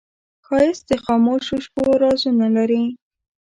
ښایست د خاموشو شپو رازونه لري